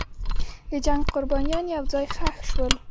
د جنګ قربانیان یو ځای ښخ شول.